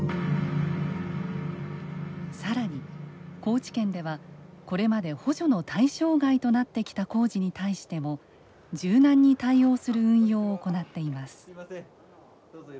さらに高知県ではこれまで補助の対象外となってきた工事に対しても柔軟に対応する運用を行っています。